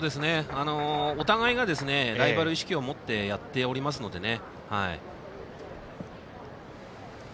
お互いがライバル意識を持ってやっておりますのでね。